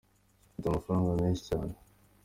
Mfite amafaranga menshi cyane.